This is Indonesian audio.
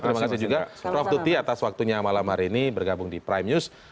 terima kasih juga prof tuti atas waktunya malam hari ini bergabung di prime news